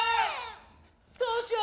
どうしよう？